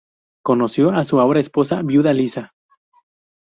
Conoció a su ahora esposa viuda Liza.